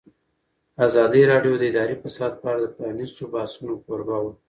ازادي راډیو د اداري فساد په اړه د پرانیستو بحثونو کوربه وه.